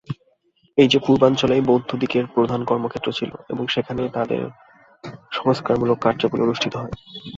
এই পূর্বাঞ্চলই বৌদ্ধদিগের প্রধান কর্মক্ষেত্র ছিল এবং সেখানেই তাহাদের সংস্কারমূলক কার্যাবলী অনুষ্ঠিত হয়।